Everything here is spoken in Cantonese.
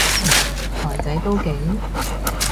台仔都勁？